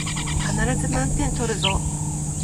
必ず満点取るぞ